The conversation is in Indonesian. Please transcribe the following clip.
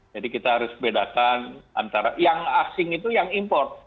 jadi kita harus bedakan antara yang asing itu yang import